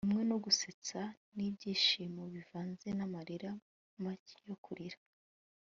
Hamwe no gusetsa nibyishimo bivanze namarira make yo kurira